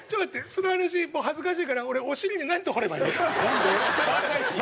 その話恥ずかしいから俺お尻になんて彫ればいい？